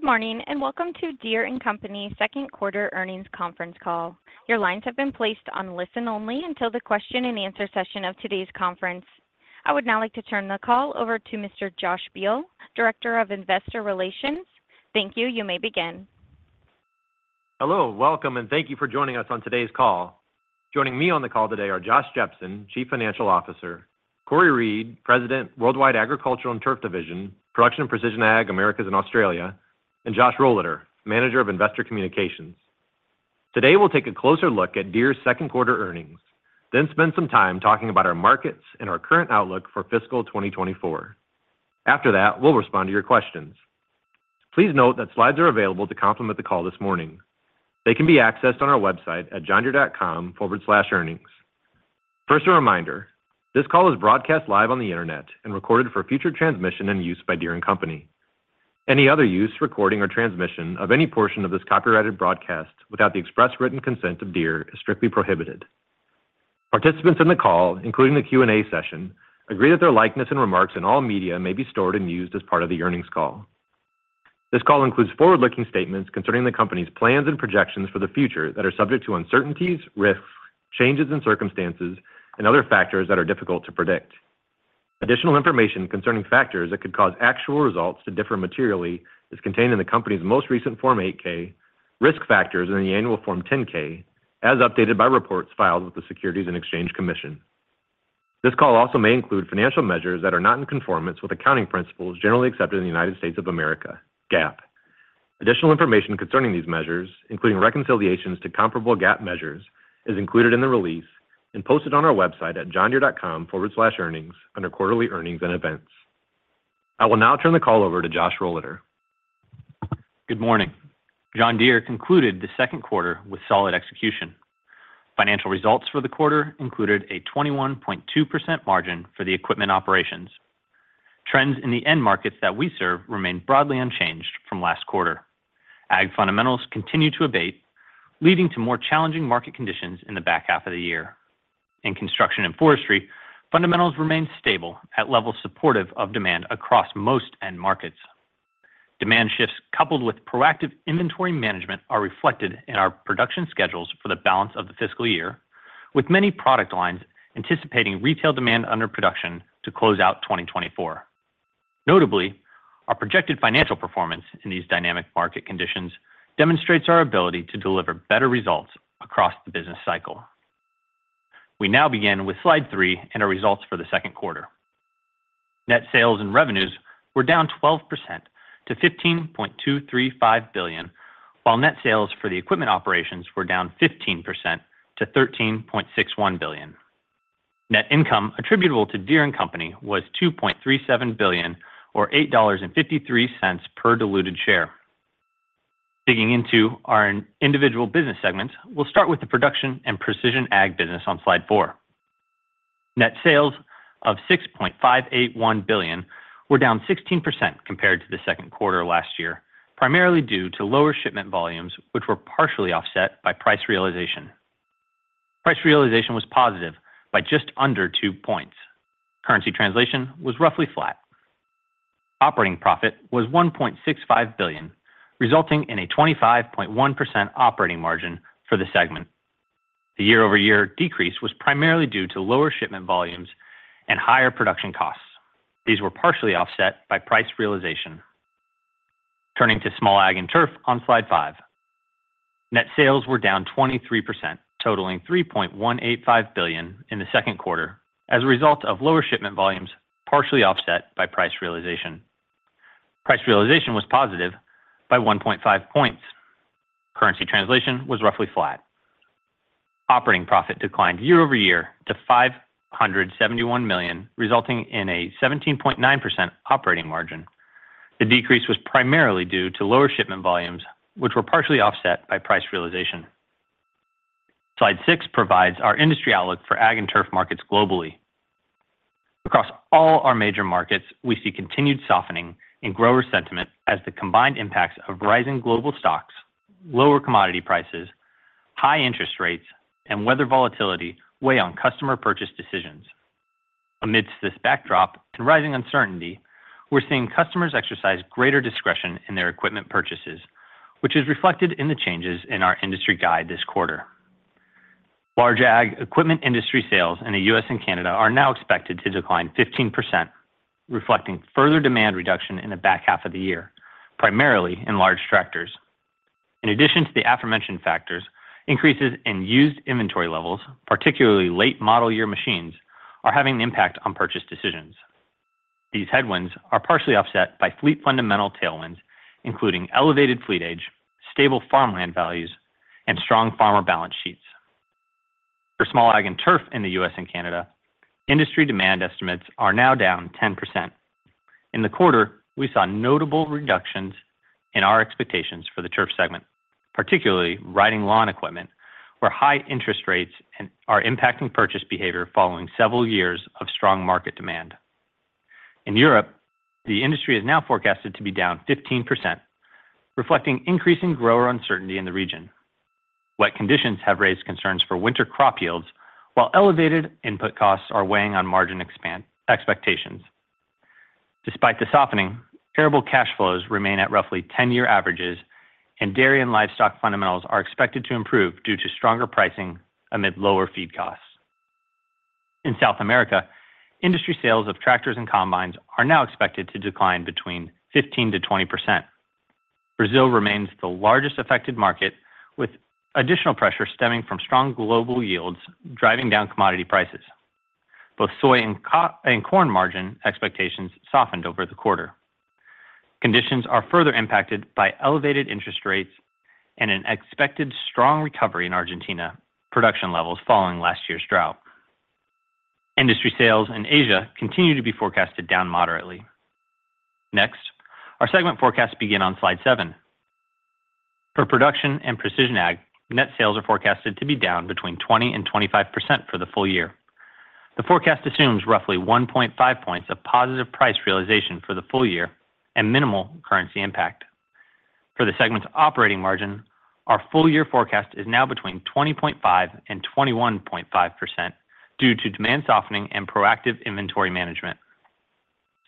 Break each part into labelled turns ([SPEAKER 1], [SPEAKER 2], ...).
[SPEAKER 1] Good morning, and welcome to Deere & Company second quarter earnings conference call. Your lines have been placed on listen-only until the question-and-answer session of today's conference. I would now like to turn the call over to Mr. Josh Beal, Director of Investor Relations. Thank you. You may begin.
[SPEAKER 2] Hello, welcome, and thank you for joining us on today's call. Joining me on the call today are Josh Jepsen, Chief Financial Officer, Cory Reed, President, Worldwide Agriculture and Turf Division, Production and Precision Ag, Americas and Australia, and Josh Rohleder, Manager of Investor Communications. Today, we'll take a closer look at Deere's second quarter earnings, then spend some time talking about our markets and our current outlook for fiscal 2024. After that, we'll respond to your questions. Please note that slides are available to complement the call this morning. They can be accessed on our website at johndeere.com/earnings. First, a reminder, this call is broadcast live on the internet and recorded for future transmission and use by Deere and Company. Any other use, recording, or transmission of any portion of this copyrighted broadcast without the express written consent of Deere is strictly prohibited. Participants in the call, including the Q&A session, agree that their likeness and remarks in all media may be stored and used as part of the earnings call. This call includes forward-looking statements concerning the company's plans and projections for the future that are subject to uncertainties, risks, changes in circumstances, and other factors that are difficult to predict. Additional information concerning factors that could cause actual results to differ materially is contained in the company's most recent Form 8-K, Risk Factors in the Annual Form 10-K, as updated by reports filed with the Securities and Exchange Commission. This call also may include financial measures that are not in conformance with accounting principles generally accepted in the United States of America, GAAP. Additional information concerning these measures, including reconciliations to comparable GAAP measures, is included in the release and posted on our website at johndeere.com/earnings under Quarterly Earnings and Events. I will now turn the call over to Josh Rohleder.
[SPEAKER 3] Good morning. John Deere concluded the second quarter with solid execution. Financial results for the quarter included a 21.2% margin for the equipment operations. Trends in the end markets that we serve remained broadly unchanged from last quarter. Ag fundamentals continue to abate, leading to more challenging market conditions in the back half of the year. In Construction and Forestry fundamentals remain stable at levels supportive of demand across most end markets. Demand shifts, coupled with proactive inventory management, are reflected in our production schedules for the balance of the fiscal year, with many product lines anticipating retail demand under production to close out 2024. Notably, our projected financial performance in these dynamic market conditions demonstrates our ability to deliver better results across the business cycle. We now begin with slide three and our results for the second quarter. Net sales and revenues were down 12% to $15.235 billion, while net sales for the equipment operations were down 15% to $13.61 billion. Net income attributable to Deere & Company was $2.37 billion, or $8.53 per diluted share. Digging into our individual business segments, we'll start with the Production and Precision Ag business on slide four. Net sales of $6.581 billion were down 16% compared to the second quarter of last year, primarily due to lower shipment volumes, which were partially offset by price realization. Price realization was positive by just under two points. Currency translation was roughly flat. Operating profit was $1.65 billion, resulting in a 25.1% operating margin for the segment. The year-over-year decrease was primarily due to lower shipment volumes and higher production costs. These were partially offset by price realization. Turning to Small Ag and Turf on Slide five. Net sales were down 23%, totaling $3.185 billion in the second quarter as a result of lower shipment volumes, partially offset by price realization. Price realization was positive by 1.5 points. Currency translation was roughly flat. Operating profit declined year-over-year to $571 million, resulting in a 17.9% operating margin. The decrease was primarily due to lower shipment volumes, which were partially offset by price realization. Slide six provides our industry outlook for ag and turf markets globally. Across all our major markets, we see continued softening in grower sentiment as the combined impacts of rising global stocks, lower commodity prices, high interest rates, and weather volatility weigh on customer purchase decisions. Amidst this backdrop to rising uncertainty, we're seeing customers exercise greater discretion in their equipment purchases, which is reflected in the changes in our industry guide this quarter. Large Ag equipment industry sales in the U.S. and Canada are now expected to decline 15%, reflecting further demand reduction in the back half of the year, primarily in large tractors. In addition to the aforementioned factors, increases in used inventory levels, particularly late model year machines, are having an impact on purchase decisions. These headwinds are partially offset by fleet fundamental tailwinds, including elevated fleet age, stable farmland values, and strong farmer balance sheets. For Small Ag and Turf in the U.S. and Canada, industry demand estimates are now down 10%. In the quarter, we saw notable reductions in our expectations for the turf segment, particularly riding lawn equipment, where high interest rates and are impacting purchase behavior following several years of strong market demand. In Europe, the industry is now forecasted to be down 15%, reflecting increasing grower uncertainty in the region. Wet conditions have raised concerns for winter crop yields, while elevated input costs are weighing on margin expansion expectations. Despite the softening, arable cash flows remain at roughly 10-year averages, and dairy and livestock fundamentals are expected to improve due to stronger pricing amid lower feed costs. In South America, industry sales of tractors and combines are now expected to decline between 15%-20%. Brazil remains the largest affected market, with additional pressure stemming from strong global yields, driving down commodity prices. Both soy and corn margin expectations softened over the quarter. Conditions are further impacted by elevated interest rates and an expected strong recovery in Argentina production levels following last year's drought. Industry sales in Asia continue to be forecasted down moderately. Next, our segment forecasts begin on slide seven. For Production and Precision Ag, net sales are forecasted to be down between 20% and 25% for the full year. The forecast assumes roughly 1.5 points of positive price realization for the full year and minimal currency impact. For the segment's operating margin, our full year forecast is now between 20.5% and 21.5% due to demand softening and proactive inventory management.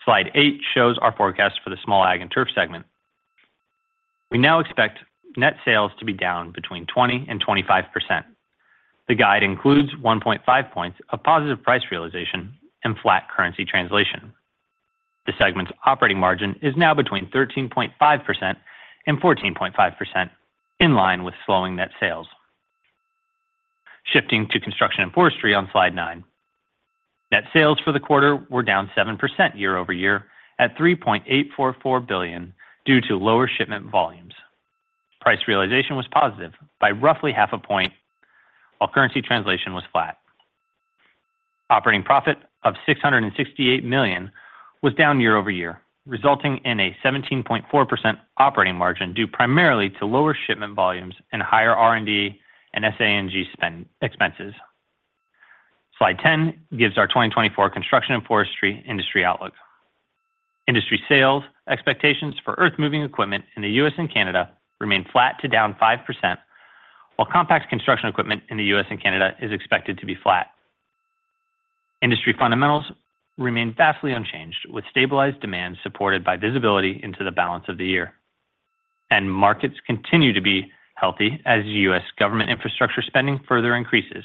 [SPEAKER 3] Slide eight shows our forecast for the Small Ag and Turf segment. We now expect net sales to be down 20%-25%. The guide includes 1.5 points of positive price realization and flat currency translation. The segment's operating margin is now 13.5%-14.5%, in line with slowing net sales. Shifting to Construction and Forestry on slide nine. Net sales for the quarter were down 7% year-over-year at $3.844 billion due to lower shipment volumes. Price realization was positive by roughly 0.5 points, while currency translation was flat. Operating profit of $668 million was down year-over-year, resulting in a 17.4% operating margin, due primarily to lower shipment volumes and higher R&D and SA&G expenses. Slide 10 gives our 2024 Construction and Forestry industry outlook. Industry sales expectations for earthmoving equipment in the U.S. and Canada remain flat to down 5%, while compact construction equipment in the U.S. and Canada is expected to be flat. Industry fundamentals remain vastly unchanged, with stabilized demand supported by visibility into the balance of the year. Markets continue to be healthy as U.S. government infrastructure spending further increases.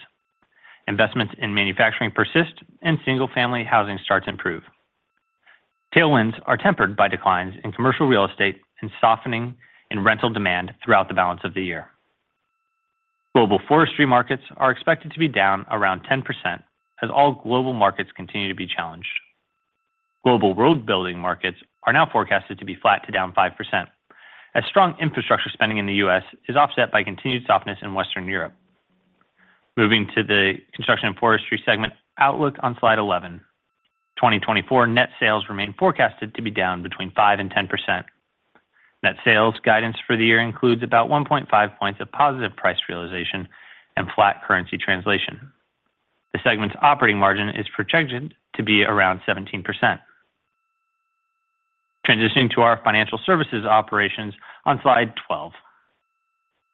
[SPEAKER 3] Investments in manufacturing persist, and single-family housing starts improve. Tailwinds are tempered by declines in commercial real estate and softening in rental demand throughout the balance of the year. Global forestry markets are expected to be down around 10%, as all global markets continue to be challenged. Global road building markets are now forecasted to be flat to down 5%, as strong infrastructure spending in the U.S. is offset by continued softness in Western Europe. Moving to the construction and forestry segment outlook on Slide 11. 2024 net sales remain forecasted to be down between 5%-10%. Net sales guidance for the year includes about 1.5 points of positive price realization and flat currency translation. The segment's operating margin is projected to be around 17%. Transitioning to our financial services operations on slide 12.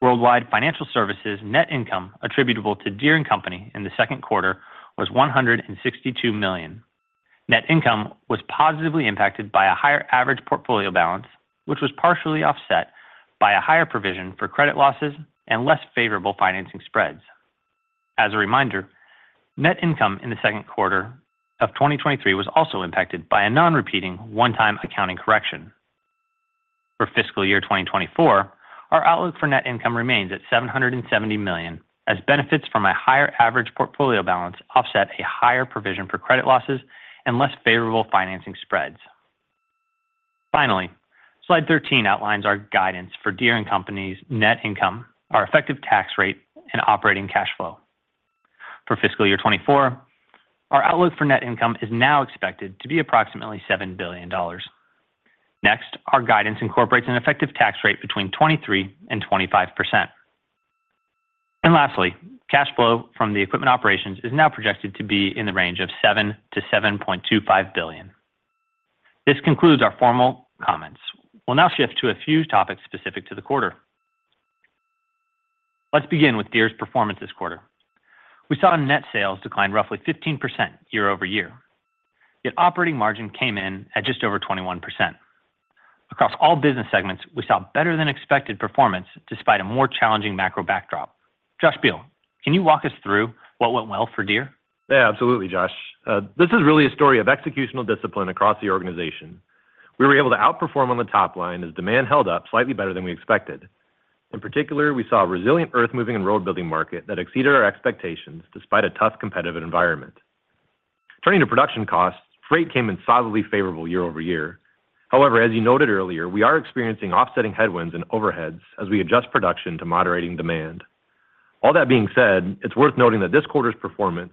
[SPEAKER 3] Worldwide financial services net income attributable to Deere & Company in the second quarter was $162 million. Net income was positively impacted by a higher average portfolio balance, which was partially offset by a higher provision for credit losses and less favorable financing spreads. As a reminder, net income in the second quarter of 2023 was also impacted by a non-repeating one-time accounting correction. For fiscal year 2024, our outlook for net income remains at $770 million, as benefits from a higher average portfolio balance offset a higher provision for credit losses and less favorable financing spreads. Finally, slide 13 outlines our guidance for Deere & Company's net income, our effective tax rate, and operating cash flow. For fiscal year 2024, our outlook for net income is now expected to be approximately $7 billion. Next, our guidance incorporates an effective tax rate between 23% and 25%. And lastly, cash flow from the equipment operations is now projected to be in the range of $7 billion-$7.25 billion. This concludes our formal comments. We'll now shift to a few topics specific to the quarter. Let's begin with Deere's performance this quarter. We saw net sales decline roughly 15% year-over-year, yet operating margin came in at just over 21%. Across all business segments, we saw better-than-expected performance despite a more challenging macro backdrop. Josh Beal, can you walk us through what went well for Deere?
[SPEAKER 2] Yeah, absolutely, Josh. This is really a story of executional discipline across the organization. We were able to outperform on the top line as demand held up slightly better than we expected. In particular, we saw a resilient earthmoving and road building market that exceeded our expectations, despite a tough competitive environment. Turning to production costs, freight came in solidly favorable year-over-year. However, as you noted earlier, we are experiencing offsetting headwinds and overheads as we adjust production to moderating demand. All that being said, it's worth noting that this quarter's performance,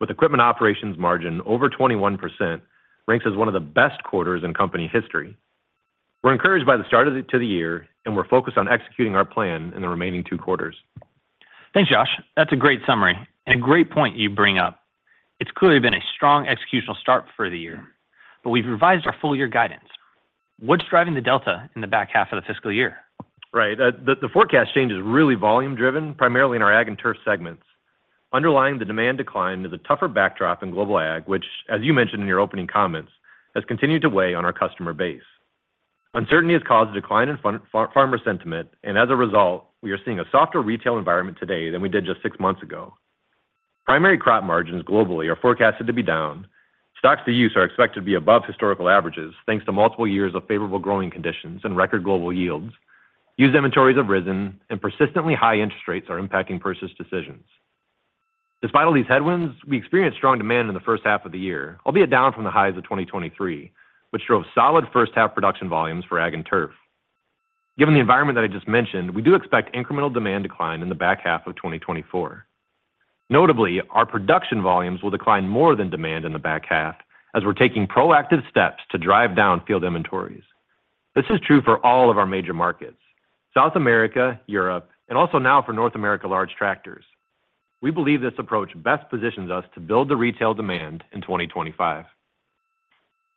[SPEAKER 2] with equipment operations margin over 21%, ranks as one of the best quarters in company history. We're encouraged by the start of the year, and we're focused on executing our plan in the remaining two quarters.
[SPEAKER 3] Thanks, Josh. That's a great summary and a great point you bring up. It's clearly been a strong executional start for the year, but we've revised our full year guidance. What's driving the delta in the back half of the fiscal year?
[SPEAKER 2] Right. The forecast change is really volume-driven, primarily in our Ag and Turf segments. Underlying the demand decline is a tougher backdrop in global Ag, which, as you mentioned in your opening comments, has continued to weigh on our customer base. Uncertainty has caused a decline in farmer sentiment, and as a result, we are seeing a softer retail environment today than we did just six months ago. Primary crop margins globally are forecasted to be down. Stocks-to-use are expected to be above historical averages, thanks to multiple years of favorable growing conditions and record global yields. Used inventories have risen, and persistently high interest rates are impacting purchase decisions. Despite all these headwinds, we experienced strong demand in the first half of the year, albeit down from the highs of 2023, which drove solid first-half production volumes for Ag and Turf. Given the environment that I just mentioned, we do expect incremental demand decline in the back half of 2024. Notably, our production volumes will decline more than demand in the back half as we're taking proactive steps to drive down field inventories. This is true for all of our major markets: South America, Europe, and also now for North America large tractors. We believe this approach best positions us to build the retail demand in 2025.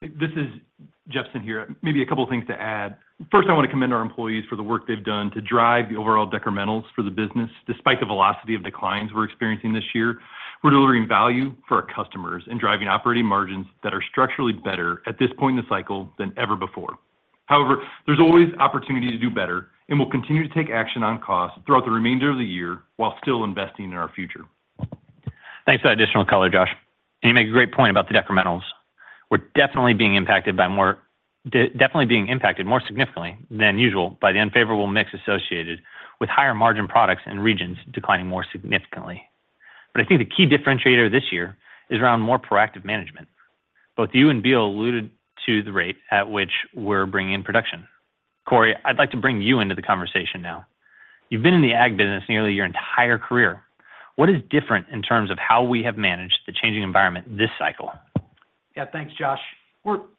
[SPEAKER 4] This is Jepsen here. Maybe a couple of things to add. First, I want to commend our employees for the work they've done to drive the overall decrementals for the business. Despite the velocity of declines we're experiencing this year, we're delivering value for our customers and driving operating margins that are structurally better at this point in the cycle than ever before. However, there's always opportunity to do better, and we'll continue to take action on cost throughout the remainder of the year while still investing in our future.
[SPEAKER 3] Thanks for that additional color, Josh. And you make a great point about the decrementals. We're definitely being impacted more significantly than usual by the unfavorable mix associated with higher-margin products and regions declining more significantly. But I think the key differentiator this year is around more proactive management. Both you and Bill alluded to the rate at which we're bringing in production. Cory, I'd like to bring you into the conversation now. You've been in the Ag business nearly your entire career. What is different in terms of how we have managed the changing environment this cycle?
[SPEAKER 5] Yeah, thanks, Josh.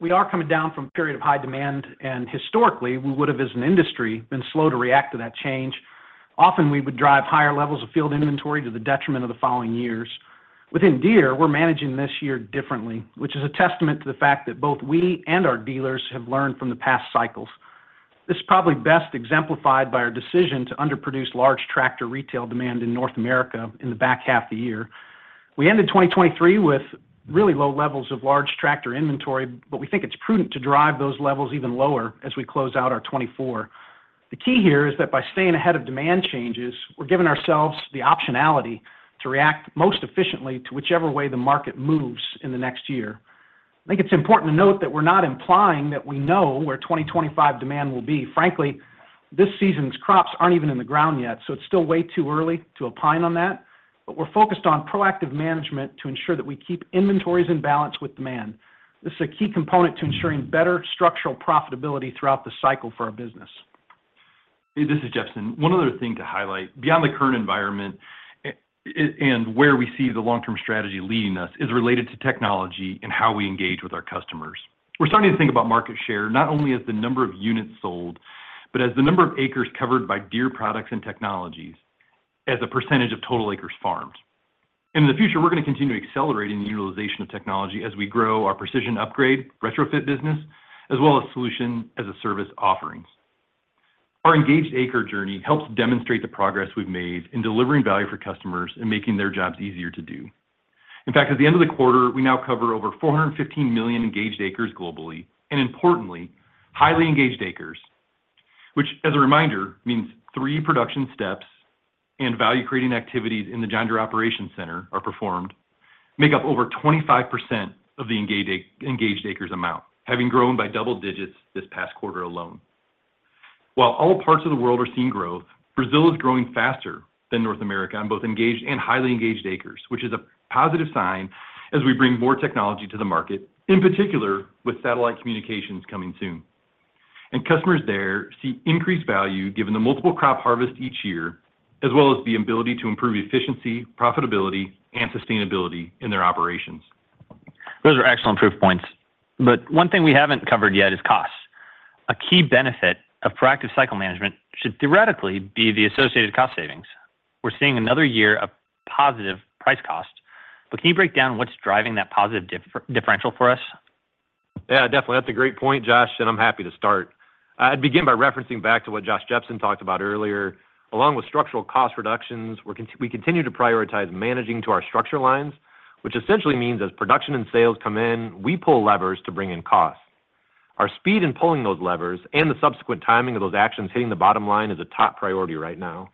[SPEAKER 5] We are coming down from a period of high demand, and historically, we would have, as an industry, been slow to react to that change. Often, we would drive higher levels of field inventory to the detriment of the following years. Within Deere, we're managing this year differently, which is a testament to the fact that both we and our dealers have learned from the past cycles. This is probably best exemplified by our decision to underproduce large tractor retail demand in North America in the back half of the year. We ended 2023 with really low levels of large tractor inventory, but we think it's prudent to drive those levels even lower as we close out our 2024. The key here is that by staying ahead of demand changes, we're giving ourselves the optionality to react most efficiently to whichever way the market moves in the next year. I think it's important to note that we're not implying that we know where 2025 demand will be. Frankly, this season's crops aren't even in the ground yet, so it's still way too early to opine on that. But we're focused on proactive management to ensure that we keep inventories in balance with demand. This is a key component to ensuring better structural profitability throughout the cycle for our business.
[SPEAKER 4] This is Jepsen. One other thing to highlight, beyond the current environment, and where we see the long-term strategy leading us, is related to technology and how we engage with our customers. We're starting to think about market share, not only as the number of units sold, but as the number of acres covered by Deere products and technologies as a percentage of total acres farmed. In the future, we're gonna continue accelerating the utilization of technology as we grow our precision upgrade retrofit business, as well as solution as a service offerings. Our Engaged Acres journey helps demonstrate the progress we've made in delivering value for customers and making their jobs easier to do. In fact, at the end of the quarter, we now cover over 415 million Engaged Acres globally, and importantly, Highly Engaged Acres, which, as a reminder, means three production steps and value-creating activities in the John Deere Operations Center are performed, make up over 25% of the Engaged Acres amount, having grown by double digits this past quarter alone. While all parts of the world are seeing growth, Brazil is growing faster than North America on both Engaged Acres and Highly Engaged Acres, which is a positive sign as we bring more technology to the market, in particular with satellite communications coming soon. Customers there see increased value, given the multiple crop harvest each year, as well as the ability to improve efficiency, profitability, and sustainability in their operations.
[SPEAKER 3] Those are excellent proof points, but one thing we haven't covered yet is costs. A key benefit of proactive cycle management should theoretically be the associated cost savings. We're seeing another year of positive price costs, but can you break down what's driving that positive differential for us?
[SPEAKER 2] Yeah, definitely. That's a great point, Josh, and I'm happy to start. I'd begin by referencing back to what Josh Jepsen talked about earlier. Along with structural cost reductions, we continue to prioritize managing to our structure lines, which essentially means as production and sales come in, we pull levers to bring in costs. Our speed in pulling those levers and the subsequent timing of those actions hitting the bottom line is a top priority right now.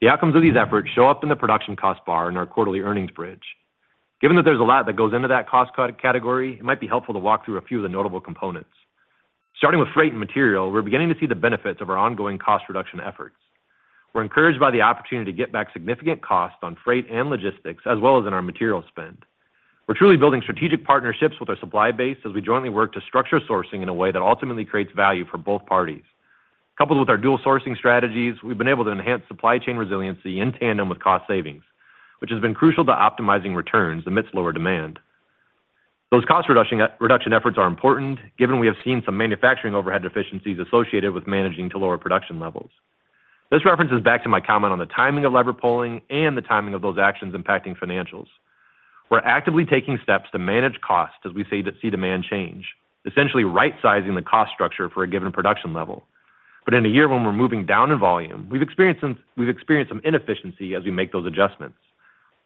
[SPEAKER 2] The outcomes of these efforts show up in the production cost bar in our quarterly earnings bridge. Given that there's a lot that goes into that cost category, it might be helpful to walk through a few of the notable components. Starting with freight and material, we're beginning to see the benefits of our ongoing cost reduction efforts. We're encouraged by the opportunity to get back significant costs on freight and logistics, as well as in our material spend. We're truly building strategic partnerships with our supply base as we jointly work to structure sourcing in a way that ultimately creates value for both parties. Coupled with our dual sourcing strategies, we've been able to enhance supply chain resiliency in tandem with cost savings, which has been crucial to optimizing returns amidst lower demand. Those cost reduction efforts are important, given we have seen some manufacturing overhead deficiencies associated with managing to lower production levels.... This references back to my comment on the timing of lever pulling and the timing of those actions impacting financials. We're actively taking steps to manage costs as we see demand change, essentially right-sizing the cost structure for a given production level. But in a year when we're moving down in volume, we've experienced some inefficiency as we make those adjustments.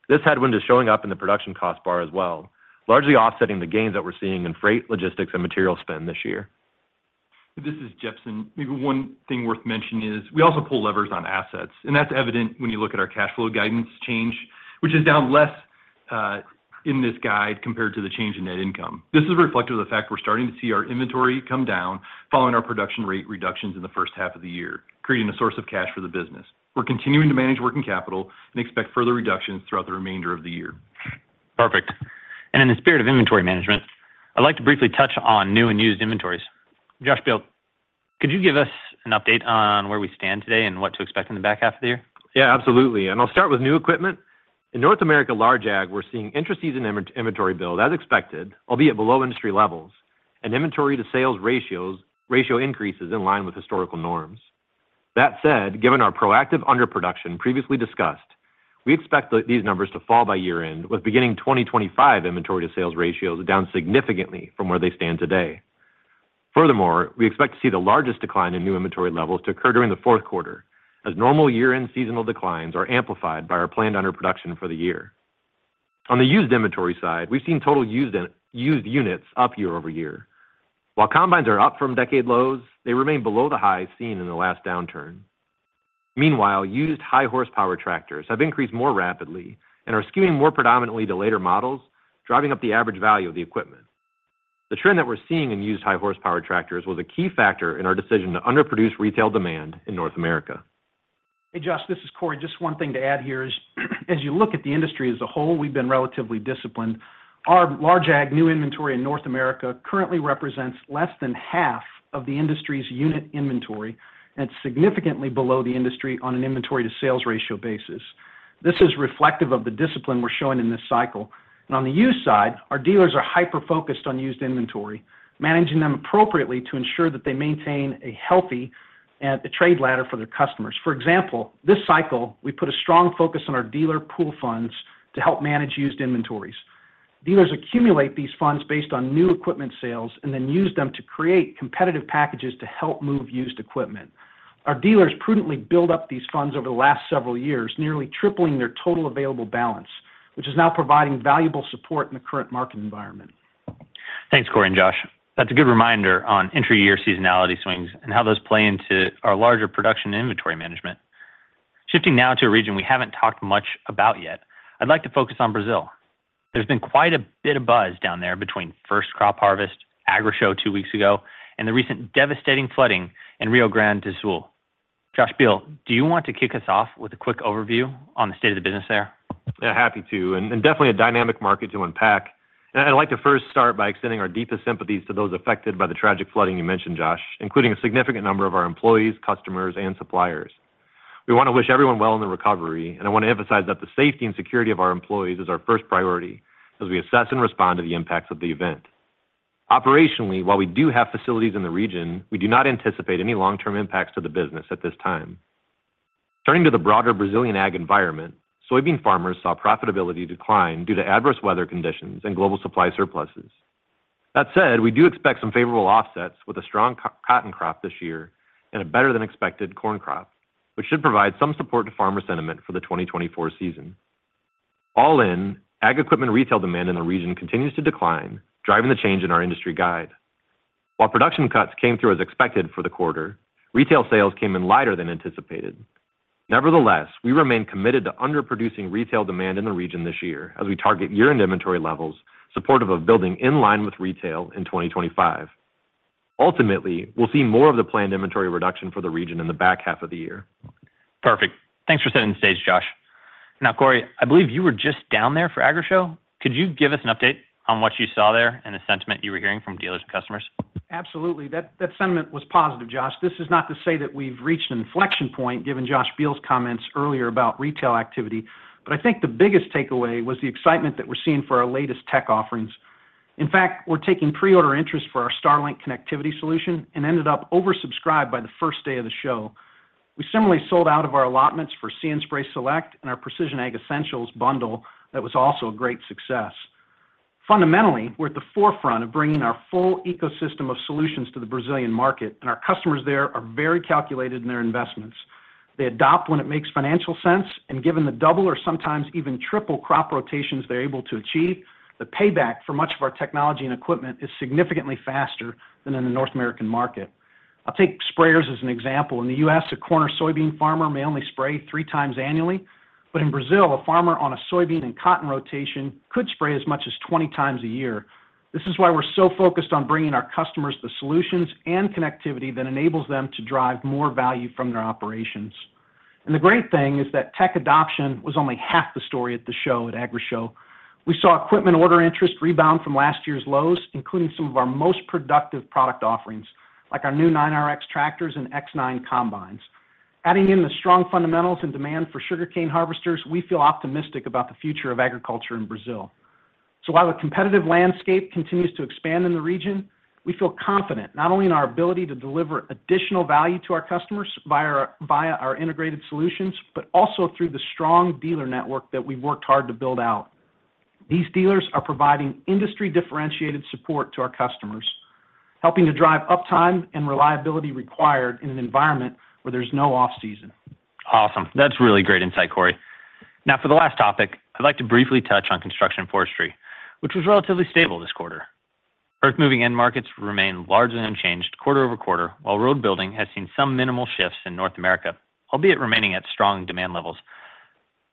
[SPEAKER 2] This headwind is showing up in the production cost bar as well, largely offsetting the gains that we're seeing in freight, logistics, and material spend this year.
[SPEAKER 4] This is Jepsen. Maybe one thing worth mentioning is we also pull levers on assets, and that's evident when you look at our cash flow guidance change, which is down less in this guide compared to the change in net income. This is reflective of the fact we're starting to see our inventory come down following our production rate reductions in the first half of the year, creating a source of cash for the business. We're continuing to manage working capital and expect further reductions throughout the remainder of the year.
[SPEAKER 3] Perfect. In the spirit of inventory management, I'd like to briefly touch on new and used inventories. Josh Beal, could you give us an update on where we stand today and what to expect in the back half of the year?
[SPEAKER 2] Yeah, absolutely, and I'll start with new equipment. In North America, Large Ag, we're seeing intra-season inventory build as expected, albeit below industry levels, and inventory-to-sales ratio increases in line with historical norms. That said, given our proactive underproduction previously discussed, we expect these numbers to fall by year-end, with beginning 2025 inventory-to-sales ratios down significantly from where they stand today. Furthermore, we expect to see the largest decline in new inventory levels to occur during the fourth quarter, as normal year-end seasonal declines are amplified by our planned underproduction for the year. On the used inventory side, we've seen total used units up year-over-year. While combines are up from decade lows, they remain below the highs seen in the last downturn. Meanwhile, used high-horsepower tractors have increased more rapidly and are skewing more predominantly to later models, driving up the average value of the equipment. The trend that we're seeing in used high-horsepower tractors was a key factor in our decision to underproduce retail demand in North America.
[SPEAKER 5] Hey, Josh, this is Cory. Just one thing to add here is, as you look at the industry as a whole, we've been relatively disciplined. Our large ag new inventory in North America currently represents less than half of the industry's unit inventory and significantly below the industry on an inventory-to-sales ratio basis. This is reflective of the discipline we're showing in this cycle. And on the used side, our dealers are hyper-focused on used inventory, managing them appropriately to ensure that they maintain a healthy trade ladder for their customers. For example, this cycle, we put a strong focus on our dealer pool funds to help manage used inventories. Dealers accumulate these funds based on new equipment sales and then use them to create competitive packages to help move used equipment. Our dealers prudently built up these funds over the last several years, nearly tripling their total available balance, which is now providing valuable support in the current market environment.
[SPEAKER 3] Thanks, Cory and Josh. That's a good reminder on intra-year seasonality swings and how those play into our larger production inventory management. Shifting now to a region we haven't talked much about yet, I'd like to focus on Brazil. There's been quite a bit of buzz down there between first crop harvest, Agrishow two weeks ago, and the recent devastating flooding in Rio Grande do Sul. Josh Beal, do you want to kick us off with a quick overview on the state of the business there?
[SPEAKER 2] Yeah, happy to, and, and definitely a dynamic market to unpack. I'd like to first start by extending our deepest sympathies to those affected by the tragic flooding you mentioned, Josh, including a significant number of our employees, customers, and suppliers. We want to wish everyone well in the recovery, and I want to emphasize that the safety and security of our employees is our first priority as we assess and respond to the impacts of the event. Operationally, while we do have facilities in the region, we do not anticipate any long-term impacts to the business at this time. Turning to the broader Brazilian ag environment, soybean farmers saw profitability decline due to adverse weather conditions and global supply surpluses. That said, we do expect some favorable offsets with a strong cotton crop this year and a better-than-expected corn crop, which should provide some support to farmer sentiment for the 2024 season. All in, ag equipment retail demand in the region continues to decline, driving the change in our industry guide. While production cuts came through as expected for the quarter, retail sales came in lighter than anticipated. Nevertheless, we remain committed to underproducing retail demand in the region this year as we target year-end inventory levels, supportive of building in line with retail in 2025. Ultimately, we'll see more of the planned inventory reduction for the region in the back half of the year.
[SPEAKER 3] Perfect. Thanks for setting the stage, Josh. Now, Cory, I believe you were just down there for Agrishow. Could you give us an update on what you saw there and the sentiment you were hearing from dealers and customers?
[SPEAKER 5] Absolutely. That, that sentiment was positive, Josh. This is not to say that we've reached an inflection point, given Josh Beal's comments earlier about retail activity, but I think the biggest takeaway was the excitement that we're seeing for our latest tech offerings. In fact, we're taking pre-order interest for our Starlink connectivity solution and ended up oversubscribed by the first day of the show. We similarly sold out of our allotments for See & Spray Select and our Precision Ag Essentials bundle that was also a great success. Fundamentally, we're at the forefront of bringing our full ecosystem of solutions to the Brazilian market, and our customers there are very calculated in their investments. They adopt when it makes financial sense, and given the double or sometimes even triple crop rotations they're able to achieve, the payback for much of our technology and equipment is significantly faster than in the North American market. I'll take sprayers as an example. In the U.S., a corner soybean farmer may only spray 3x annually, but in Brazil, a farmer on a soybean and cotton rotation could spray as much as 20x a year. This is why we're so focused on bringing our customers the solutions and connectivity that enables them to drive more value from their operations. The great thing is that tech adoption was only half the story at the show, at Agrishow. We saw equipment order interest rebound from last year's lows, including some of our most productive product offerings, like our new 9RX tractors and X9 combines. Adding in the strong fundamentals and demand for sugarcane harvesters, we feel optimistic about the future of agriculture in Brazil. So while the competitive landscape continues to expand in the region, we feel confident not only in our ability to deliver additional value to our customers via our, via our integrated solutions, but also through the strong dealer network that we've worked hard to build out. These dealers are providing industry-differentiated support to our customers, helping to drive uptime and reliability required in an environment where there's no off-season.
[SPEAKER 3] Awesome. That's really great insight, Cory. Now, for the last topic, I'd like to briefly touch on construction forestry, which was relatively stable this quarter. Earthmoving end markets remain largely unchanged quarter over quarter, while road building has seen some minimal shifts in North America, albeit remaining at strong demand levels.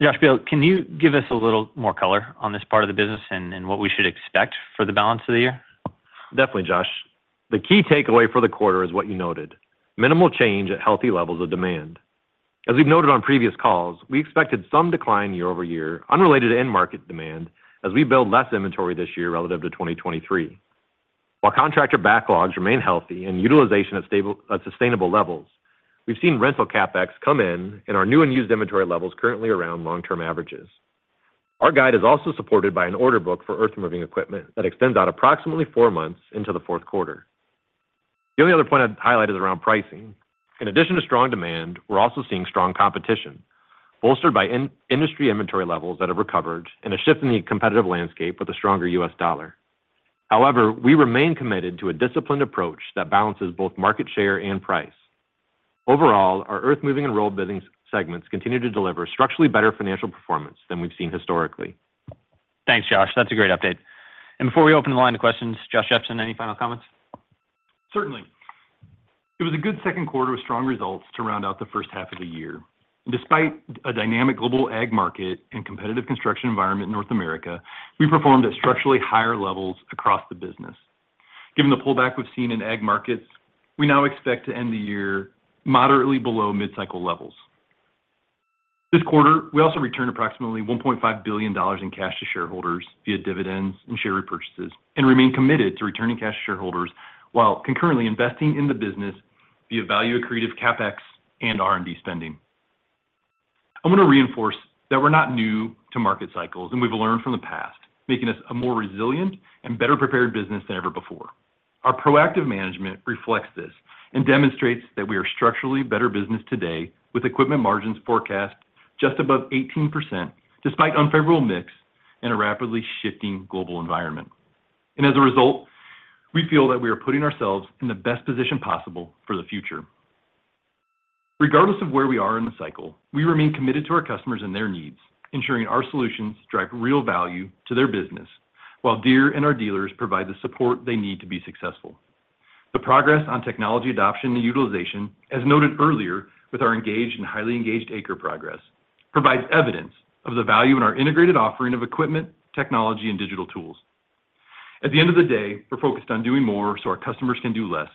[SPEAKER 3] Josh Beal, can you give us a little more color on this part of the business and what we should expect for the balance of the year?
[SPEAKER 2] Definitely, Josh. The key takeaway for the quarter is what you noted, minimal change at healthy levels of demand. As we've noted on previous calls, we expected some decline year-over-year, unrelated to end market demand, as we build less inventory this year relative to 2023. While contractor backlogs remain healthy and utilization at sustainable levels, we've seen rental CapEx come in and our new and used inventory levels currently around long-term averages. Our guide is also supported by an order book for earthmoving equipment that extends out approximately four months into the fourth quarter. The only other point I'd highlight is around pricing. In addition to strong demand, we're also seeing strong competition, bolstered by industry inventory levels that have recovered and a shift in the competitive landscape with a stronger U.S. dollar. However, we remain committed to a disciplined approach that balances both market share and price. Overall, our earthmoving and road building segments continue to deliver structurally better financial performance than we've seen historically.
[SPEAKER 3] Thanks, Josh. That's a great update. Before we open the line of questions, Josh Jepsen, any final comments?
[SPEAKER 4] Certainly. It was a good second quarter with strong results to round out the first half of the year. Despite a dynamic global ag market and competitive construction environment in North America, we performed at structurally higher levels across the business. Given the pullback we've seen in ag markets, we now expect to end the year moderately below mid-cycle levels. This quarter, we also returned approximately $1.5 billion in cash to shareholders via dividends and share repurchases, and remain committed to returning cash to shareholders while concurrently investing in the business via value-accretive CapEx and R&D spending. I wanna reinforce that we're not new to market cycles, and we've learned from the past, making us a more resilient and better-prepared business than ever before. Our proactive management reflects this and demonstrates that we are a structurally better business today, with equipment margins forecast just above 18%, despite unfavorable mix in a rapidly shifting global environment. As a result, we feel that we are putting ourselves in the best position possible for the future. Regardless of where we are in the cycle, we remain committed to our customers and their needs, ensuring our solutions drive real value to their business, while Deere and our dealers provide the support they need to be successful. The progress on technology adoption and utilization, as noted earlier with our engaged and highly engaged acre progress, provides evidence of the value in our integrated offering of equipment, technology, and digital tools. At the end of the day, we're focused on doing more so our customers can do less,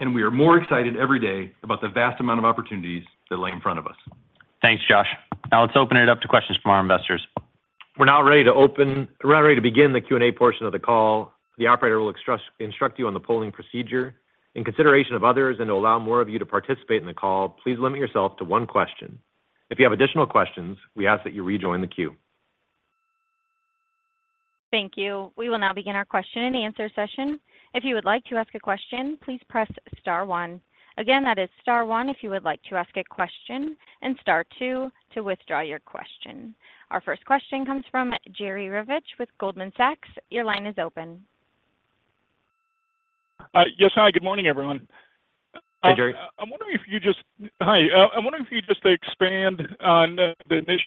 [SPEAKER 4] and we are more excited every day about the vast amount of opportunities that lay in front of us.
[SPEAKER 3] Thanks, Josh. Now, let's open it up to questions from our investors.
[SPEAKER 2] We're now ready to begin the Q&A portion of the call. The operator will instruct you on the polling procedure. In consideration of others and to allow more of you to participate in the call, please limit yourself to one question. If you have additional questions, we ask that you rejoin the queue.
[SPEAKER 1] Thank you. We will now begin our question-and-answer session. If you would like to ask a question, please press star one. Again, that is star one if you would like to ask a question, and star two to withdraw your question. Our first question comes from Jerry Revich with Goldman Sachs. Your line is open.
[SPEAKER 6] Yes. Hi, good morning, everyone.
[SPEAKER 2] Hi, Jerry.
[SPEAKER 6] I'm wondering if you just expand on the init-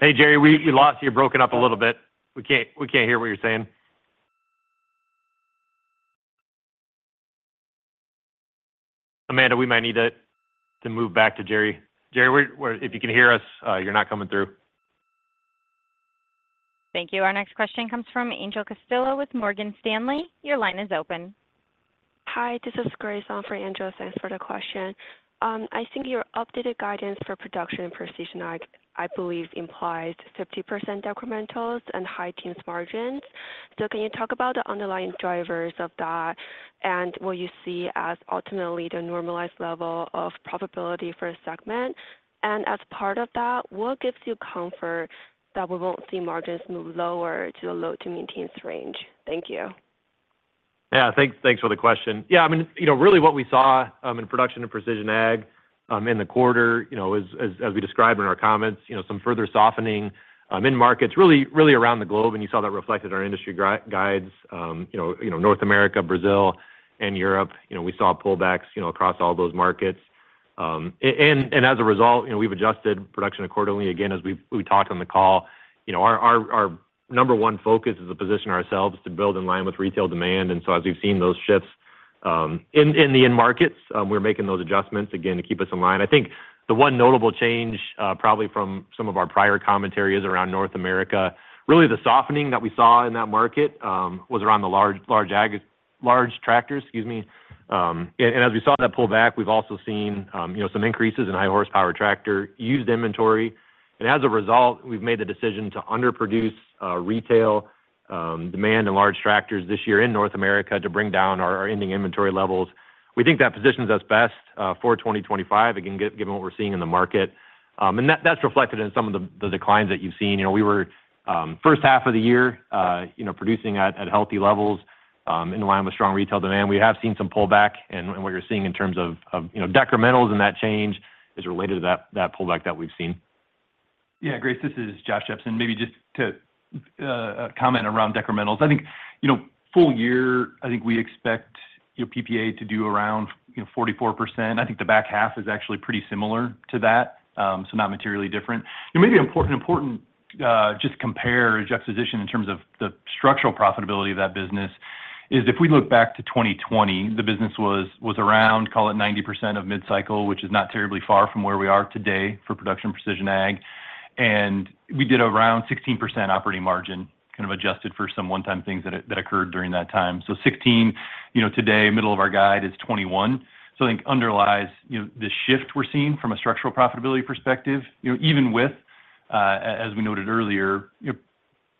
[SPEAKER 2] Hey, Jerry, we lost you. You're broken up a little bit. We can't hear what you're saying. Amanda, we might need to move back to Jerry. Jerry, if you can hear us, you're not coming through.
[SPEAKER 1] Thank you. Our next question comes from Angel Castillo with Morgan Stanley. Your line is open.
[SPEAKER 7] Hi, this is Grace on for Angel. Thanks for the question. I think your updated guidance for Production and Precision Ag, I believe, implies 50% decrementals and high-teens margins. So can you talk about the underlying drivers of that and what you see as ultimately the normalized level of profitability for a segment? And as part of that, what gives you comfort that we won't see margins move lower to the low- to mid-teens range? Thank you.
[SPEAKER 2] Yeah, thanks, thanks for the question. Yeah, I mean, you know, really what we saw in Production and Precision Ag in the quarter, you know, as we described in our comments, you know, some further softening in markets really, really around the globe, and you saw that reflected in our industry guides. You know, North America, Brazil, and Europe, you know, we saw pullbacks across all those markets. And as a result, you know, we've adjusted production accordingly. Again, as we've talked on the call, you know, our number one focus is to position ourselves to build in line with retail demand. And so as we've seen those shifts in the end markets, we're making those adjustments again to keep us in line. I think the one notable change, probably from some of our prior commentary is around North America. Really, the softening that we saw in that market was around the Large Ag tractors, excuse me. And as we saw that pull back, we've also seen, you know, some increases in high horsepower tractor used inventory. As a result, we've made the decision to underproduce retail demand in large tractors this year in North America to bring down our ending inventory levels.... We think that positions us best, for 2025. Again, given what we're seeing in the market. And that, that's reflected in some of the, the declines that you've seen. You know, we were, first half of the year, you know, producing at, at healthy levels, in line with strong retail demand. We have seen some pullback, and what you're seeing in terms of, of, you know, decrementals in that change is related to that, that pullback that we've seen.
[SPEAKER 4] Yeah, Grace, this is Josh Jepsen. Maybe just to comment around decrementals. I think, you know, full year, I think we expect your PPA to do around, you know, 44%. I think the back half is actually pretty similar to that, so not materially different. And maybe important, important, just compare juxtaposition in terms of the structural profitability of that business is if we look back to 2020, the business was, was around, call it 90% of mid-cycle, which is not terribly far from where we are today for production precision ag. And we did around 16% operating margin, kind of adjusted for some one-time things that, that occurred during that time. So 16%, you know, today, middle of our guide is 21%. I think underlies, you know, the shift we're seeing from a structural profitability perspective, you know, even with, as we noted earlier, your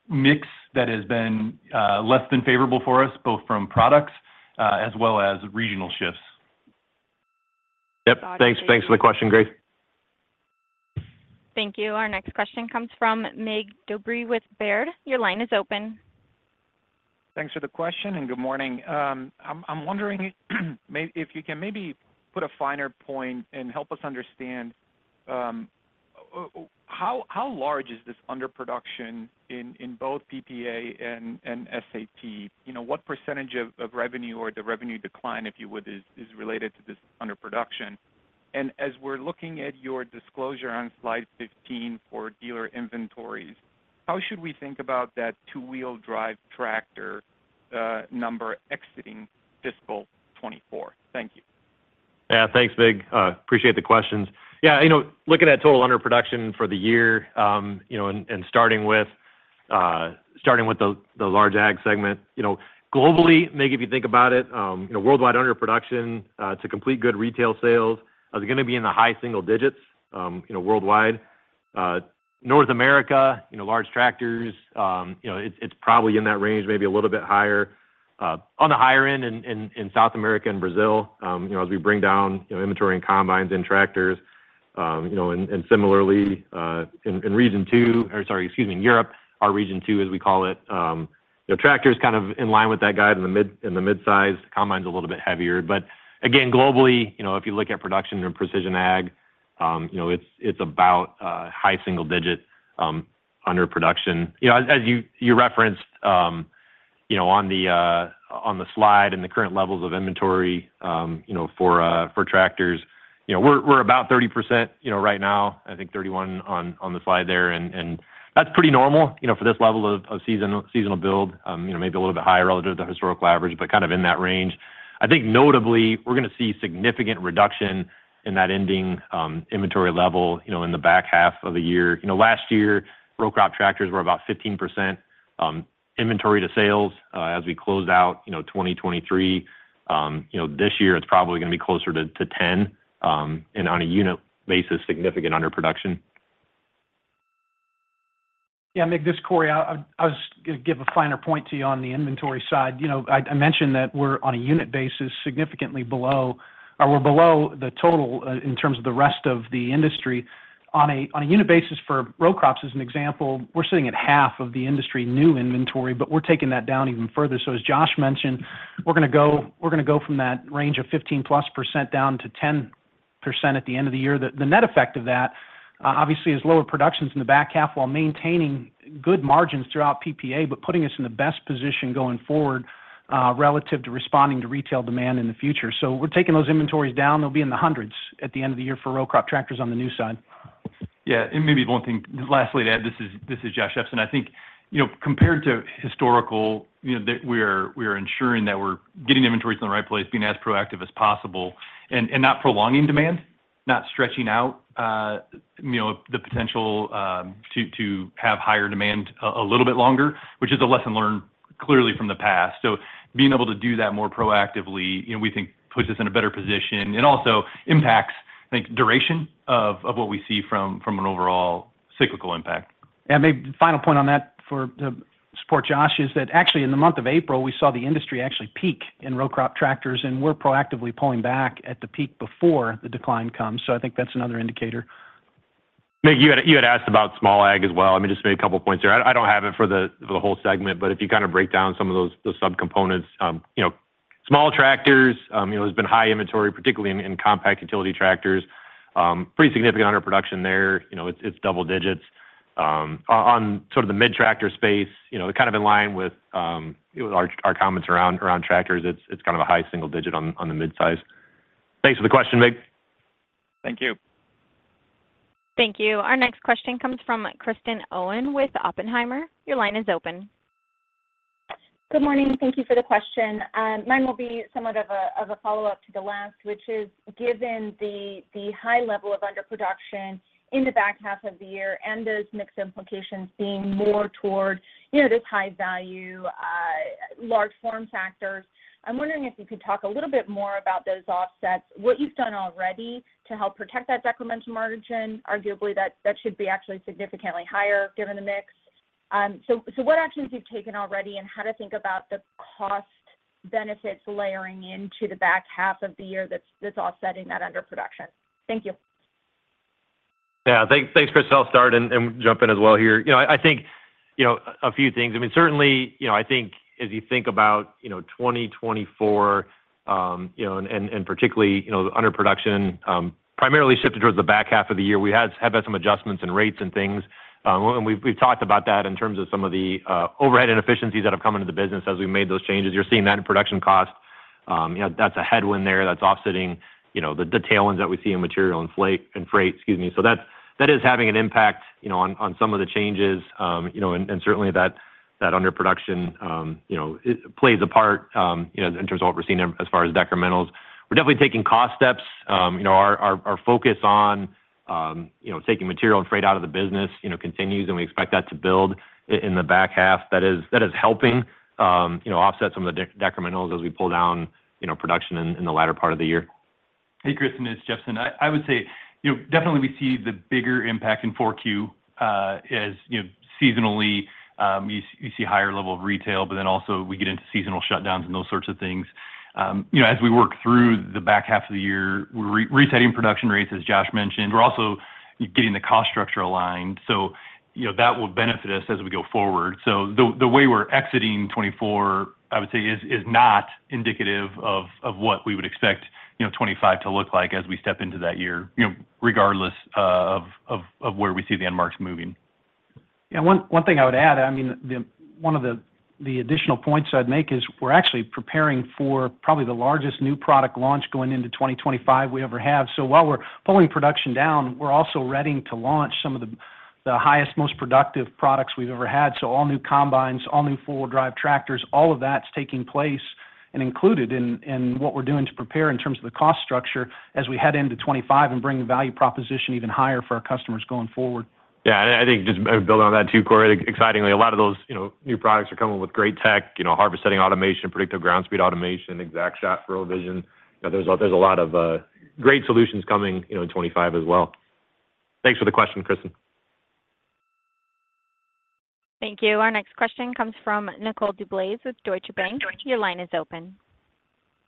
[SPEAKER 4] mix that has been, less than favorable for us, both from products, as well as regional shifts.
[SPEAKER 2] Yep. Thanks. Thanks for the question, Grace.
[SPEAKER 1] Thank you. Our next question comes from Mig Dobre with Baird. Your line is open.
[SPEAKER 8] Thanks for the question, and good morning. I'm wondering if you can maybe put a finer point and help us understand, how large is this underproduction in both PPA and SAT? You know, what percentage of revenue or the revenue decline, if you would, is related to this underproduction? And as we're looking at your disclosure on slide 15 for dealer inventories, how should we think about that two-wheel drive tractor number exiting fiscal 2024? Thank you.
[SPEAKER 2] Yeah, thanks, Mig. Appreciate the questions. Yeah, you know, looking at total underproduction for the year, and starting with the Large Ag segment. You know, globally, Mig, if you think about it, you know, worldwide underproduction to complete good retail sales is gonna be in the high single digits, you know, worldwide. North America, you know, large tractors, you know, it's probably in that range, maybe a little bit higher, on the higher end in South America and Brazil, you know, as we bring down, you know, inventory and combines in tractors. You know, and similarly, in region two or sorry, excuse me, in Europe, our region two, as we call it, you know, tractors kind of in line with that guide in the mid, in the midsize, combines a little bit heavier. But again, globally, you know, if you look at Production and Precision Ag, you know, it's about high single digit underproduction. You know, as you referenced, you know, on the slide and the current levels of inventory, you know, for tractors. You know, we're about 30%, you know, right now. I think 31 on the slide there, and that's pretty normal, you know, for this level of seasonal build. You know, maybe a little bit higher relative to the historical average, but kind of in that range. I think notably, we're gonna see significant reduction in that ending inventory level, you know, in the back half of the year. You know, last year, row crop tractors were about 15% inventory to sales as we close out, you know, 2023. You know, this year it's probably gonna be closer to 10, and on a unit basis, significant underproduction.
[SPEAKER 5] Yeah, Mig, this is Cory. I was gonna give a finer point to you on the inventory side. You know, I mentioned that we're on a unit basis, significantly below or we're below the total in terms of the rest of the industry. On a unit basis for row crops, as an example, we're sitting at half of the industry new inventory, but we're taking that down even further. So as Josh mentioned, we're gonna go from that range of 15%+ down to 10% at the end of the year. The net effect of that, obviously, is lower productions in the back half, while maintaining good margins throughout PPA, but putting us in the best position going forward relative to responding to retail demand in the future. So we're taking those inventories down. They'll be in the hundreds at the end of the year for row crop tractors on the new side.
[SPEAKER 4] Yeah, and maybe one thing, lastly, to add. This is, this is Josh Jepsen. I think, you know, compared to historical, you know, that we're, we're ensuring that we're getting inventories in the right place, being as proactive as possible, and, and not prolonging demand, not stretching out, you know, the potential, to, to have higher demand a, a little bit longer, which is a lesson learned clearly from the past. So being able to do that more proactively, you know, we think puts us in a better position. It also impacts, I think, duration of, of what we see from, from an overall cyclical impact.
[SPEAKER 5] Maybe final point on that to support Josh, is that actually in the month of April, we saw the industry actually peak in row crop tractors, and we're proactively pulling back at the peak before the decline comes. So I think that's another indicator.
[SPEAKER 2] Mig, you had asked about small ag as well. Let me just make a couple points here. I don't have it for the whole segment, but if you kind of break down some of those subcomponents, you know, small tractors, you know, there's been high inventory, particularly in compact utility tractors. Pretty significant underproduction there. You know, it's double digits. On sort of the mid-tractor space, you know, kind of in line with, you know, our comments around tractors. It's kind of a high single digit on the midsize. Thanks for the question, Mig.
[SPEAKER 8] Thank you.
[SPEAKER 1] Thank you. Our next question comes from Kristen Owen with Oppenheimer. Your line is open.
[SPEAKER 9] Good morning, and thank you for the question. Mine will be somewhat of a follow-up to the last, which is, given the high level of underproduction in the back half of the year and those mixed implications being more toward, you know, this high value, large form factors, I'm wondering if you could talk a little bit more about those offsets, what you've done already to help protect that decremental margin. Arguably, that should be actually significantly higher given the mix.... So, what actions you've taken already and how to think about the cost benefits layering into the back half of the year that's offsetting that underproduction? Thank you.
[SPEAKER 2] Yeah. Thanks, Kristen. I'll start and jump in as well here. You know, I think, you know, a few things. I mean, certainly, you know, I think as you think about, you know, 2024, you know, and, and, and particularly, you know, the underproduction, primarily shifted towards the back half of the year. We have had some adjustments in rates and things, and we've, we've talked about that in terms of some of the overhead inefficiencies that have come into the business as we've made those changes. You're seeing that in production costs. You know, that's a headwind there that's offsetting, you know, the, the tailwinds that we see in material and freight, excuse me. So that, that is having an impact, you know, on, on some of the changes. You know, and certainly that underproduction, you know, it plays a part, you know, in terms of what we're seeing as far as decrementals. We're definitely taking cost steps. You know, our focus on, you know, taking material and freight out of the business, you know, continues, and we expect that to build in the back half. That is helping, you know, offset some of the decrementals as we pull down, you know, production in the latter part of the year.
[SPEAKER 4] Hey, Kristen, it's Jepsen. I would say, you know, definitely we see the bigger impact in Q4, as, you know, seasonally, you see higher level of retail, but then also we get into seasonal shutdowns and those sorts of things. You know, as we work through the back half of the year, we're resetting production rates, as Josh mentioned. We're also getting the cost structure aligned, so, you know, that will benefit us as we go forward. So the, the way we're exiting 2024, I would say is, is not indicative of, of what we would expect, you know, 2025 to look like as we step into that year, you know, regardless, of, of, of where we see the landmarks moving.
[SPEAKER 5] Yeah, one, one thing I would add, I mean, the one of the, the additional points I'd make is we're actually preparing for probably the largest new product launch going into 2025 we ever have. So while we're pulling production down, we're also readying to launch some of the, the highest, most productive products we've ever had. So all new combines, all new four-wheel drive tractors, all of that's taking place and included in, in what we're doing to prepare in terms of the cost structure as we head into 2025 and bring the value proposition even higher for our customers going forward.
[SPEAKER 2] Yeah, and I think just building on that too, Cory, excitingly, a lot of those, you know, new products are coming with great tech, you know, Harvest Settings Automation, Predictive Ground Speed Automation, ExactShot, FurrowVision. You know, there's a, there's a lot of great solutions coming, you know, in 2025 as well. Thanks for the question, Kristen.
[SPEAKER 1] Thank you. Our next question comes from Nicole DeBlase with Deutsche Bank. Your line is open.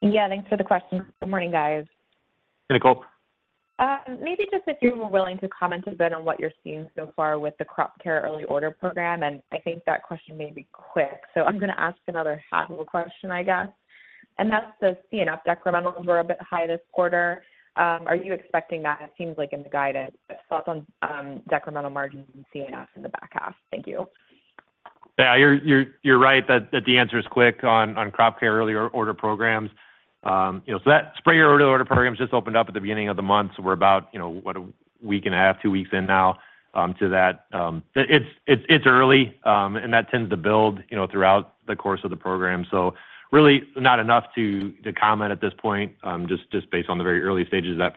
[SPEAKER 10] Yeah, thanks for the question. Good morning, guys.
[SPEAKER 2] Hey, Nicole.
[SPEAKER 10] Maybe just if you were willing to comment a bit on what you're seeing so far with the Crop Care Early Order Program, and I think that question may be quick, so I'm going to ask another follow-up question, I guess. That's the C&F decrementals were a bit high this quarter. Are you expecting that, it seems like, in the guidance? Thoughts on, decremental margins in C&F in the back half. Thank you.
[SPEAKER 2] Yeah, you're right that the answer is quick on Crop Care early order programs. You know, so that sprayer early order programs just opened up at the beginning of the month, so we're about, you know, what, a week and a half, two weeks in now, to that. It's early, and that tends to build, you know, throughout the course of the program. So really not enough to comment at this point, just based on the very early stages of that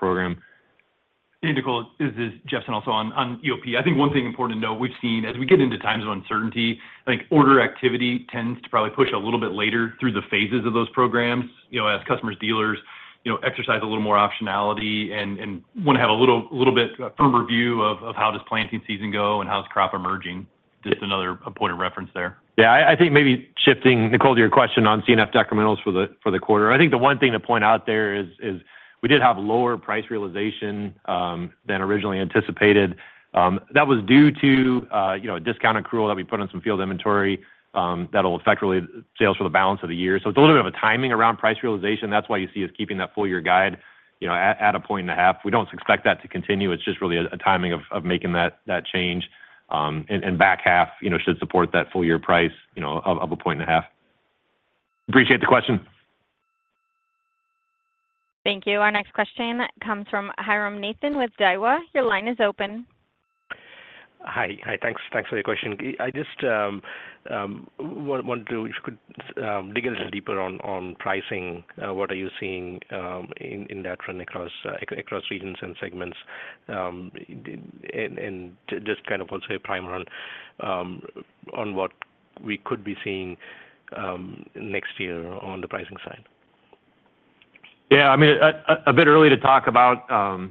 [SPEAKER 2] program.
[SPEAKER 4] Hey, Nicole, this is Josh Jepsen. Also on EOP, I think one thing important to know, we've seen as we get into times of uncertainty, I think order activity tends to probably push a little bit later through the phases of those programs. You know, as customers, dealers, you know, exercise a little more optionality and want to have a little bit firmer view of how does planting season go and how's crop emerging. Just another point of reference there.
[SPEAKER 2] Yeah, I, I think maybe shifting, Nicole, to your question on C&F decrementals for the quarter. I think the one thing to point out there is we did have lower price realization than originally anticipated. That was due to, you know, discount accrual that we put on some field inventory that will affect really sales for the balance of the year. So it's a little bit of a timing around price realization. That's why you see us keeping that full year guide, you know, at 1.5%. We don't expect that to continue. It's just really a timing of making that change, and back half, you know, should support that full year price, you know, of 1.5%. Appreciate the question.
[SPEAKER 1] Thank you. Our next question comes from Jairam Nathan with Daiwa. Your line is open.
[SPEAKER 11] Hi, thanks for the question. I just want to, if you could dig a little deeper on pricing, what are you seeing in that trend across regions and segments? And just kind of also a primer on what we could be seeing next year on the pricing side.
[SPEAKER 2] Yeah, I mean, a bit early to talk about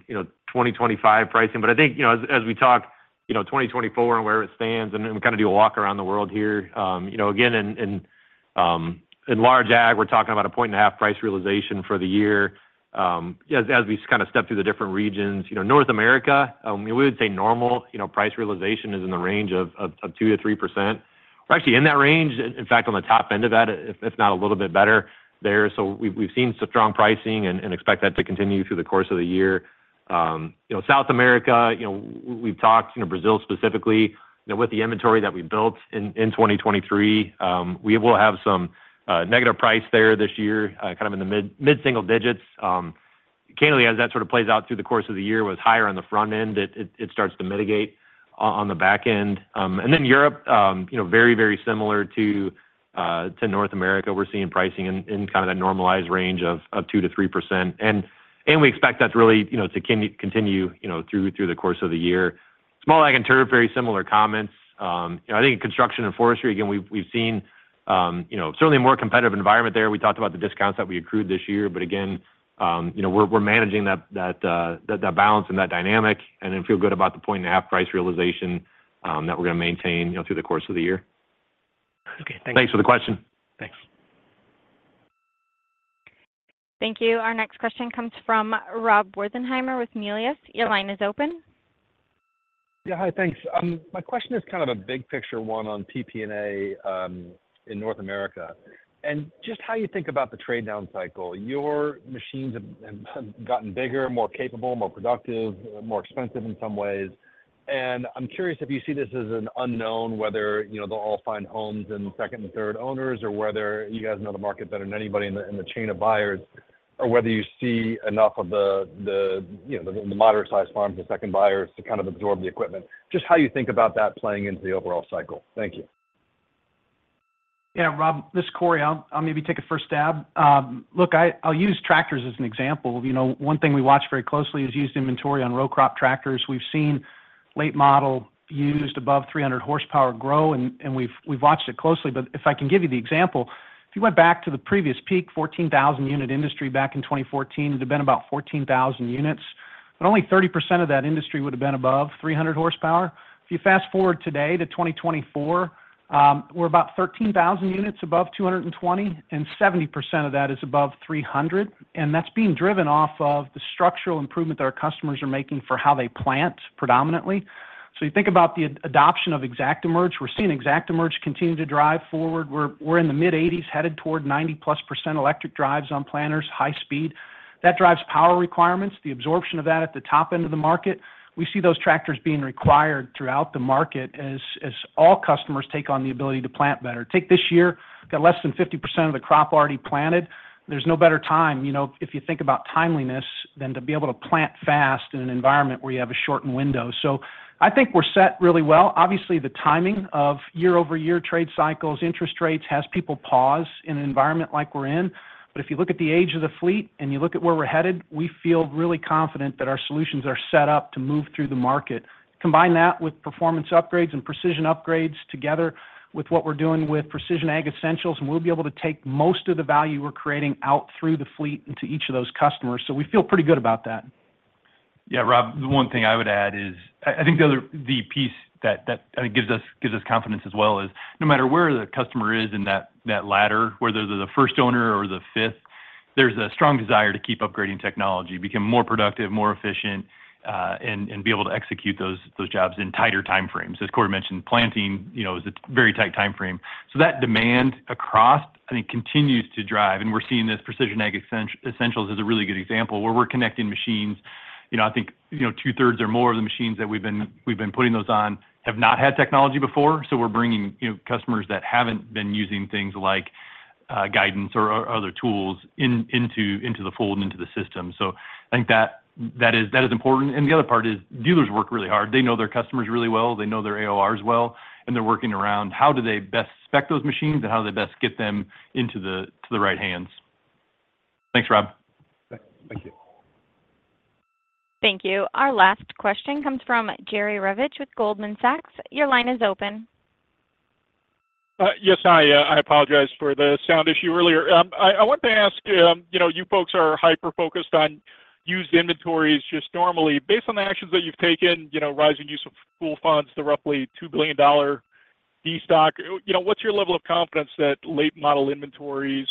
[SPEAKER 2] 2025 pricing, but I think, you know, as we talk 2024 and where it stands and kind of do a walk around the world here. You know, again, in Large Ag, we're talking about 1.5 price realization for the year. As we kind of step through the different regions, you know, North America, we would say normal. You know, price realization is in the range of 2%-3%. We're actually in that range, in fact, on the top end of that, if not a little bit better there. So we've seen strong pricing and expect that to continue through the course of the year. You know, South America, you know, we've talked, you know, Brazil specifically, you know, with the inventory that we built in, in 2023, we will have some negative price there this year, kind of in the mid-single digits. Candidly, as that sort of plays out through the course of the year, was higher on the front end, it starts to mitigate on the back end. And then Europe, you know, very, very similar to North America. We're seeing pricing in kind of that normalized range of 2%-3%. And we expect that to really, you know, to continue through the course of the year. Small Ag and Turf, very similar comments. You know, I think in Construction and Forestry, again, we've seen, you know, certainly a more competitive environment there. We talked about the discounts that we accrued this year. But again, you know, we're managing that balance and that dynamic and then feel good about the 1.5-point price realization that we're going to maintain, you know, through the course of the year.
[SPEAKER 11] Okay, thank you.
[SPEAKER 2] Thanks for the question.
[SPEAKER 11] Thanks.
[SPEAKER 1] Thank you. Our next question comes from Rob Wertheimer with Melius. Your line is open.
[SPEAKER 12] Yeah, hi, thanks. My question is kind of a big picture one on PPA in North America, and just how you think about the trade down cycle. Your machines have gotten bigger, more capable, more productive, more expensive in some ways. And I'm curious if you see this as an unknown, whether, you know, they'll all find homes in second and third owners, or whether you guys know the market better than anybody in the chain of buyers, or whether you see enough of the, you know, the moderate-sized farms and second buyers to kind of absorb the equipment. Just how you think about that playing into the overall cycle. Thank you.
[SPEAKER 5] Yeah, Rob, this is Cory. I'll maybe take a first stab. Look, I'll use tractors as an example. You know, one thing we watch very closely is used inventory on row crop tractors. We've seen late model used above 300 horsepower grow, and we've watched it closely. But if I can give you the example, if you went back to the previous peak, 14,000-unit industry back in 2014, it had been about 14,000 units, but only 30% of that industry would have been above 300 horsepower. If you fast forward today to 2024, we're about 13,000 units above 220, and 70% of that is above 300, and that's being driven off of the structural improvement that our customers are making for how they plant, predominantly. So you think about the adoption of ExactEmerge. We're seeing ExactEmerge continue to drive forward. We're in the mid-80s, headed toward 90+% electric drives on planters, high speed. That drives power requirements, the absorption of that at the top end of the market. We see those tractors being required throughout the market as all customers take on the ability to plant better. Take this year, got less than 50% of the crop already planted. There's no better time, you know, if you think about timeliness, than to be able to plant fast in an environment where you have a shortened window. So I think we're set really well. Obviously, the timing of year-over-year trade cycles, interest rates, has people pause in an environment like we're in. But if you look at the age of the fleet and you look at where we're headed, we feel really confident that our solutions are set up to move through the market. Combine that with performance upgrades and precision upgrades together with what we're doing with Precision Ag Essentials, and we'll be able to take most of the value we're creating out through the fleet into each of those customers. So we feel pretty good about that.
[SPEAKER 2] Yeah, Rob, the one thing I would add is... I think the piece that gives us confidence as well is no matter where the customer is in that ladder, whether they're the first owner or the fifth, there's a strong desire to keep upgrading technology, become more productive, more efficient, and be able to execute those jobs in tighter time frames. As Cory mentioned, planting, you know, is a very tight time frame. So that demand across, I think, continues to drive, and we're seeing this Precision Ag Essentials as a really good example, where we're connecting machines. You know, I think, you know, two-thirds or more of the machines that we've been putting those on have not had technology before, so we're bringing, you know, customers that haven't been using things like guidance or other tools into the fold and into the system. So I think that is important. The other part is dealers work really hard. They know their customers really well, they know their AORs well, and they're working around how do they best spec those machines and how do they best get them into the right hands. Thanks, Rob.
[SPEAKER 12] Thank you.
[SPEAKER 1] Thank you. Our last question comes from Jerry Revich with Goldman Sachs. Your line is open.
[SPEAKER 6] Yes, hi, I apologize for the sound issue earlier. I wanted to ask, you know, you folks are hyper-focused on used inventories just normally. Based on the actions that you've taken, you know, rising use of pool funds, the roughly $2 billion destock, you know, what's your level of confidence that late model inventories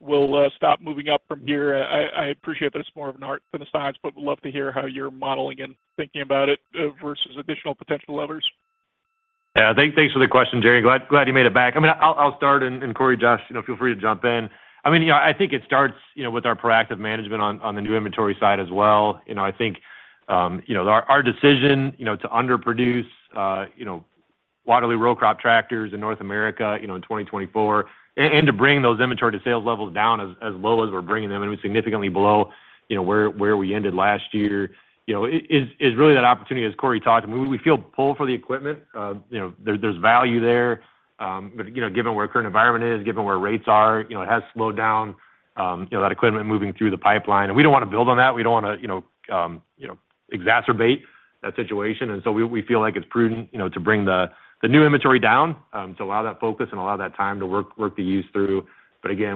[SPEAKER 6] will stop moving up from here? I appreciate that it's more of an art than a science, but would love to hear how you're modeling and thinking about it versus additional potential levers.
[SPEAKER 2] Yeah, thanks for the question, Jerry. Glad you made it back. I mean, I'll start, and Cory, Josh, you know, feel free to jump in. I mean, you know, I think it starts, you know, with our proactive management on the new inventory side as well. You know, I think, our decision, you know, to underproduce, you know, Waterloo row crop tractors in North America, you know, in 2024, and to bring those inventory to sales levels down as low as we're bringing them, and we're significantly below, you know, where we ended last year. You know, it is, it's really that opportunity, as Cory talked. I mean, we feel pull for the equipment. You know, there's value there. But, you know, given where current environment is, given where rates are, you know, it has slowed down, you know, that equipment moving through the pipeline, and we don't want to build on that. We don't want to, you know, exacerbate that situation. And so we feel like it's prudent, you know, to bring the new inventory down, to allow that focus and allow that time to work the used through. But again,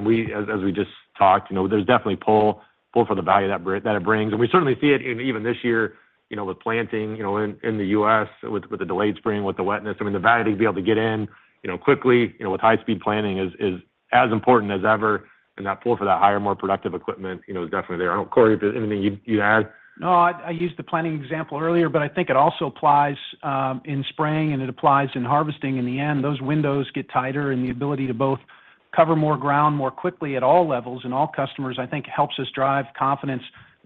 [SPEAKER 2] as we just talked, you know, there's definitely pull for the value that it brings. And we certainly see it in even this year, you know, with planting, you know, in the U.S., with the delayed spring, with the wetness. I mean, the value to be able to get in, you know, quickly, you know, with high-speed planting is as important as ever, and that pull for that higher, more productive equipment, you know, is definitely there. I don't know, Cory, if there's anything you'd add?
[SPEAKER 5] No, I used the planting example earlier, but I think it also applies in spraying and it applies in harvesting. In the end, those windows get tighter and the ability to both cover more ground more quickly at all levels and all customers, I think helps us drive confidence.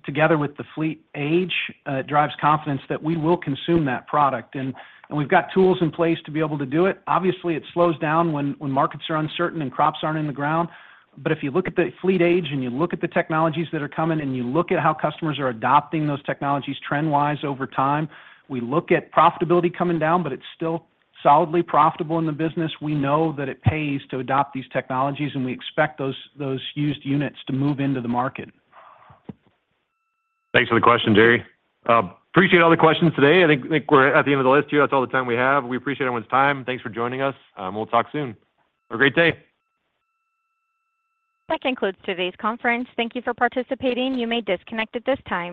[SPEAKER 5] Together with the fleet age, it drives confidence that we will consume that product, and we've got tools in place to be able to do it. Obviously, it slows down when markets are uncertain and crops aren't in the ground. But if you look at the fleet age, and you look at the technologies that are coming, and you look at how customers are adopting those technologies trend-wise over time, we look at profitability coming down, but it's still solidly profitable in the business. We know that it pays to adopt these technologies, and we expect those used units to move into the market.
[SPEAKER 2] Thanks for the question, Jerry. Appreciate all the questions today. I think we're at the end of the list. That's all the time we have. We appreciate everyone's time. Thanks for joining us, and we'll talk soon. Have a great day.
[SPEAKER 1] That concludes today's conference. Thank you for participating. You may disconnect at this time.